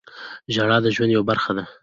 • ژړا د ژوند یوه برخه ده.